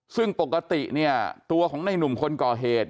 ซึ่งปกติเนี่ยตัวของในหนุ่มคนก่อเหตุ